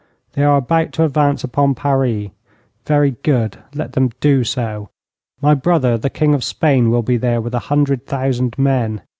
They are about to advance upon Paris. Very good. Let them do so. My brother, the King of Spain, will be there with a hundred thousand men.